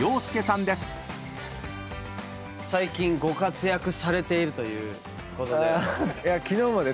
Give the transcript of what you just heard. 最近ご活躍されているということで。